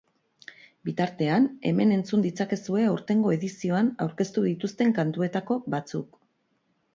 Bitartean, hemen entzun ditzakezue aurtengo edizioan aurkeztu dituzten kantuetako batzuk.